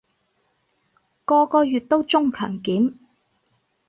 個個月都中強檢